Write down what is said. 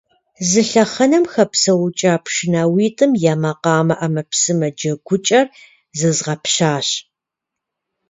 Зы лъэхъэнэм хэпсэукӀа пшынауитӀым я макъамэ Ӏэмэпсымэ джэгукӀэр зэзгъэпщащ.